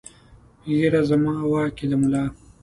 ږېره زما واک ېې د ملا